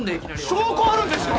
・証拠あるんですか？